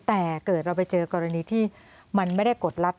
แต่เกิดเราไปเจอกรณีที่มันไม่ได้กดลับ